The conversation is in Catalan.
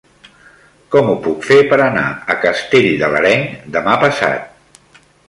Com ho puc fer per anar a Castell de l'Areny demà passat?